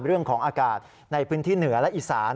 เรื่องของอากาศในพื้นที่เหนือและอีสาน